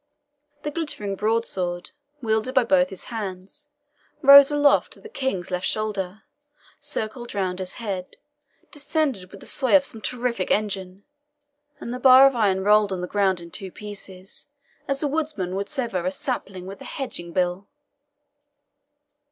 The glittering broadsword, wielded by both his hands, rose aloft to the King's left shoulder, circled round his head, descended with the sway of some terrific engine, and the bar of iron rolled on the ground in two pieces, as a woodsman would sever a sapling with a hedging bill.